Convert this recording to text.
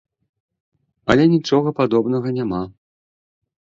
Але нічога падобнага няма.